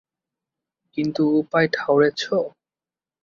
কিন্তু উপায় ঠাউরেছ?